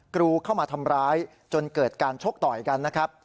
กรูเข้ามาทำร้ายจนเกิดการชกต่อยกันนะครับ